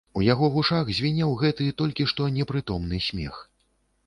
У яго вушах звінеў гэты, толькі што непрытомны смех.